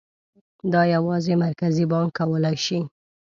دا یوازې مرکزي بانک کولای شي.